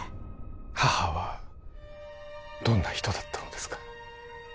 母はどんな人だったのですか？